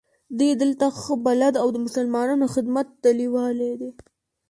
دی دلته ښه بلد او د مسلمانانو خدمت ته لېواله دی.